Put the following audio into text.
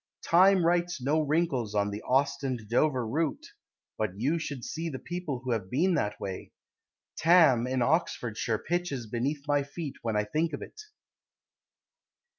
Time writes no wrinkles on the Ostend Dover route. But you should see the people who have been that way. Thame, in Oxfordshire, Pitches beneath my feet When I think of it.